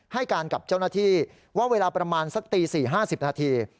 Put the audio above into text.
ให้การกับเจ้าหน้าที่ว่าเวลาประมาณสักตี๔๕๐นาที